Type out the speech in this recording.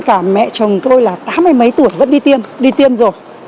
cả mẹ chồng tôi là tám mươi mấy tuổi vẫn đi tiêm đi tiêm rồi